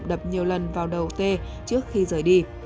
đập nhiều lần vào đầu t trước khi rời đi